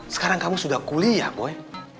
sekarang kamu sudah kuliah boy